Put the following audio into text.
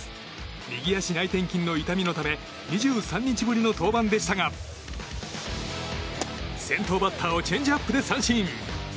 右足内転筋の痛みのため２３日ぶりの登板でしたが先頭バッターをチェンジアップで三振。